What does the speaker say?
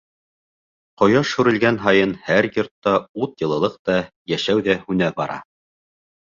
Ҡояш һүрелгән һайын, һәр йортта ут-йылылыҡ та, йәшәү ҙә һүнә бара.